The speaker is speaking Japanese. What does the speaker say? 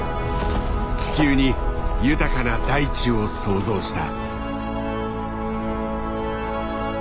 地球に豊かな大地を創造した。